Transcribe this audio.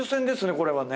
これはね